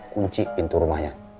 kunci pintu rumahnya